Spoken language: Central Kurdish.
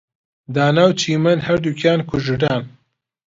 دانا و چیمەن هەردووکیان کوژران.